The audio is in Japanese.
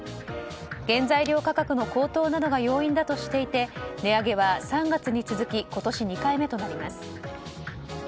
原材料価格の高騰などが要因だとしていて値上げは３月に続き今年２回目となります。